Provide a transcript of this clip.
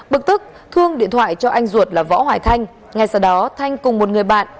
bực tức thương điện thoại cho anh ruột là võ hoài thanh ngay sau đó thanh cùng một người bạn